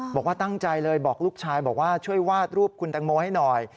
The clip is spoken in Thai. บอกว่าตั้งใจเลยบอกลูกชายบอกว่าช่วยวาดรูปคุณแตงโมให้หน่อย